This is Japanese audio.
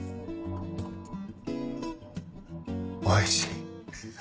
おいしい。